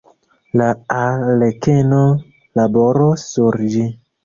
La arlekeno laboros sur ĝi.